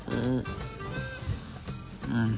うん。